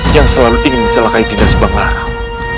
yang selalu ingin mencelakai dinda subanglarang